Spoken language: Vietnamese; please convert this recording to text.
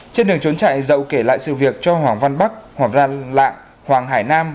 trên đường trốn chạy dậu kể lại sự việc cho hoàng văn bắc hoàng văn lạng hoàng hải nam